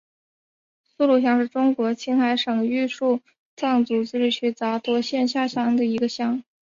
苏鲁乡是中国青海省玉树藏族自治州杂多县下辖的一个乡。